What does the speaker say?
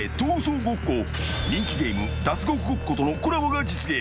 ［人気ゲーム『脱獄ごっこ』とのコラボが実現］